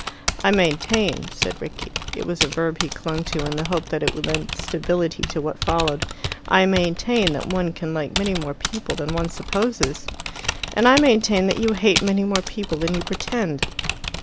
"I maintain," said Rickie it was a verb he clung to, in the hope that it would lend stability to what followed "I maintain that one can like many more people than one supposes." "And I maintain that you hate many more people than you pretend."